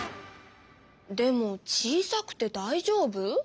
でも小さくてだいじょうぶ？